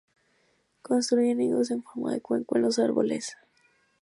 Construyen nidos en forma de cuenco en los árboles.